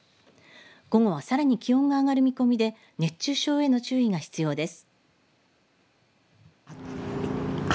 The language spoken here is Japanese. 午後はさらに気温が上がる見込みで熱中症への注意が必要です。